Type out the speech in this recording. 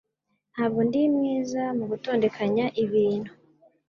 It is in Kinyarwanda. Ntabwo ndi mwiza mu gutondekanya ibintu.